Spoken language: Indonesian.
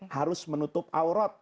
harus menutup aurat